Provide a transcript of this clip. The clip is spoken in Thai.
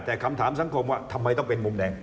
แต่คำถามสังคมว่าทำไมต้องเป็นมุมแดง